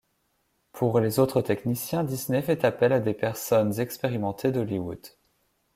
Pour les autres techniciens, Disney fait appel à des personnes expérimentés d'Hollywood.